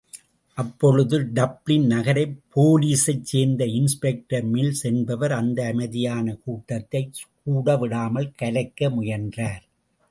அப்பொழுது டப்ளின் நகரப்போலிஸைச் சேர்ந்த இன்ஸ்பெக்டர் மில்ஸ் என்பவர்.அந்த அமைதியான கூட்டத்தைக் கூடவிடாமல் கலைக்க முயன்றார்.